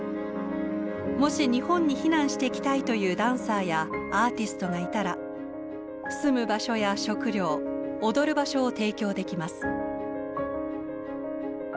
もし日本に避難してきたいというダンサーやアーティストがいたら住む場所や食料踊る場所を提供できます」。